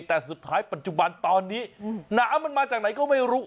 แต่สุดท้ายปัจจุบันตอนนี้น้ำมันมาจากไหนก็ไม่รู้